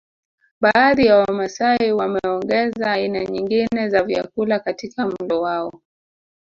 Baadhi ya wamasai wameongeza aina nyingine za vyakula katika mlo wao